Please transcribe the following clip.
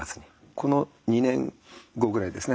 この２年後ぐらいですね